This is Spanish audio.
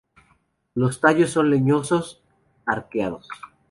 Los tallos son leñosos, arqueados.